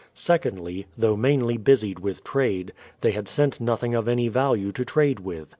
Secondly, though mainly busied with trade, they had sent nothing of any value to trade with.